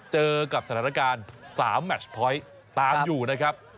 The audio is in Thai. เจอกับสถานการณ์๓แมชพอยต์ตามอยู่นะครับ